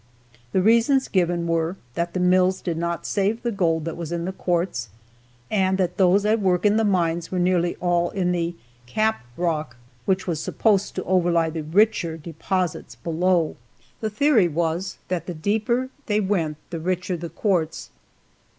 The reasons given were, that the mills did not save the gold that was in the quartz, and that those at work in the mines were nearly all in the "cap rock" which was supposed to overlie the richer deposits below. The theory was that the deeper they went the richer the quartz.